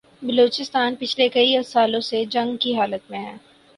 بلوچستان پچھلے کئی سالوں سے جنگ کی حالت میں ہے